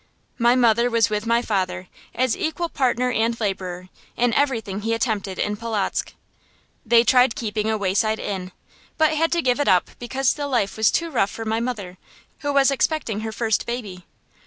My mother was with my father, as equal partner and laborer, in everything he attempted in Polotzk. They tried keeping a wayside inn, but had to give it up because the life was too rough for my mother, who was expecting her first baby.